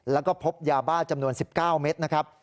แล้วก็พบยาบ้าจำนวน๑๙เมตรนะครับ